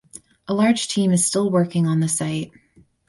A large team is still working on the site.